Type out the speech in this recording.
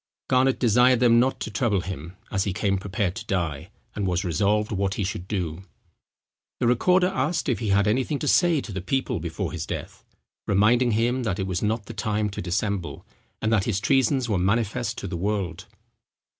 Garnet desired them not to trouble him, as he came prepared to die, and was resolved what he should do. The recorder asked if he had anything to say to the people before his death, reminding him that it was not the time to dissemble, and that his treasons were manifest to the world.